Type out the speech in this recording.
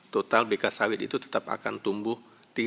total bk sawit itu tetap akan tumbuh